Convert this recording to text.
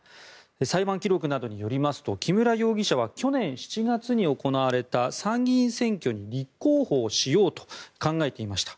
裁判記録などによりますと木村容疑者は去年７月に行われた参議院選挙に立候補をしようと考えていました。